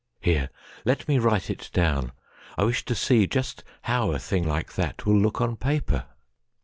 Here, let me write it down! I wish to seeJust how a thing like that will look on paper!